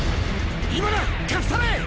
今だかっさらえ！